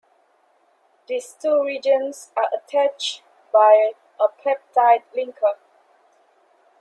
These two regions are attached by a peptide linker.